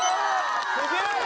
すげえ！